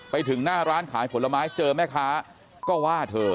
ไปถึงหน้าร้านขายผลไม้เจอแม่ค้าก็ว่าเธอ